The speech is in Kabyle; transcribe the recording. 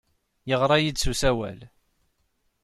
Yeɣra-iyi-d s usawal.